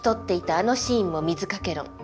あのシーンも水掛け論。